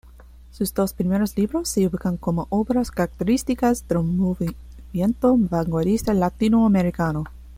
Sus dos primeros libros se ubican como obras características del movimiento vanguardista latinoamericano.